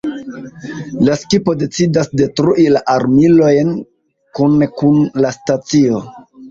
La skipo decidas detrui la armilojn kune kun la stacio.